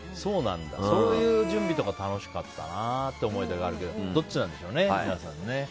そういう準備とか楽しかったなという思い出があるけど皆さんはどっちなんでしょうね。